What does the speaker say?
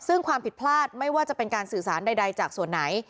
ซึ่งความผิดพลาดไม่ว่าจะเป็นการสื่อสารใดจากส่วนไหน